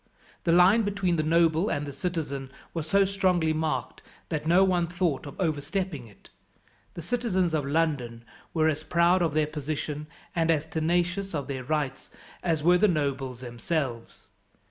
The line between the noble and the citizen was so strongly marked that no one thought of overstepping it. The citizens of London were as proud of their position and as tenacious of their rights as were the nobles themselves.